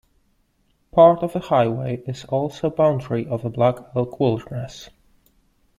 Part of the highway is also a boundary of the Black Elk Wilderness.